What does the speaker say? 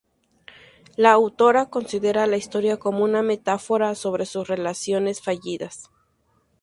La autora considera la historia como una metáfora sobre sus relaciones fallidas.